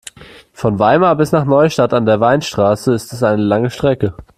Von Weimar bis nach Neustadt an der Weinstraße ist es eine lange Strecke